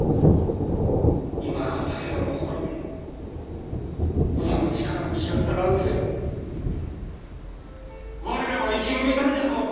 今川武田も滅び織田も力を失った乱世を我らは生き延びたんじゃぞ！